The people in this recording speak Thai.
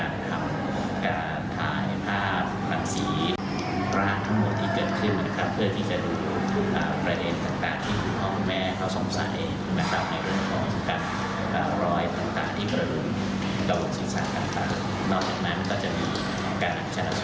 นะครับมันก็เป็นภาพบทศาสตร์